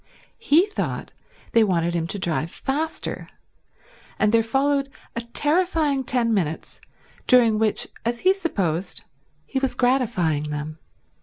He thought they wanted him to drive faster; and there followed a terrifying ten minutes during which, as he supposed, he was gratifying them.